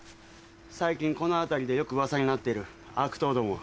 最近この辺りでよくウワサになっている悪党どもは。